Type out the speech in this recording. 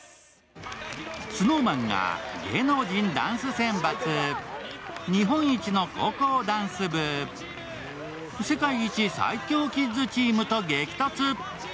ＳｎｏｗＭａｎが芸能人ダンス選抜、日本一の高校ダンス部、世界一最強キッズチームと激突。